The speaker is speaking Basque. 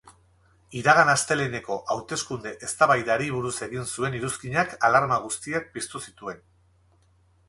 Iragan asteleheneko hauteskunde eztabaidari buruz egin zuen iruzkinak alarma guztiak piztu zituen.